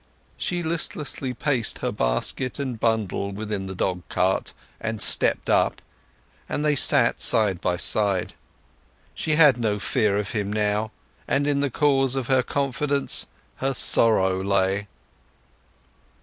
She listlessly placed her basket and bundle within the dog cart, and stepped up, and they sat side by side. She had no fear of him now, and in the cause of her confidence her sorrow lay.